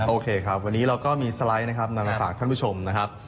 โอเคครับวันนี้เราก็มีสไลด์นะครับนำมาฝากท่านผู้ชมนะครับ